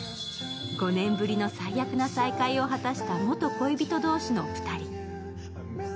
５年ぶりの最悪な再会を果たした元恋人同士の２人。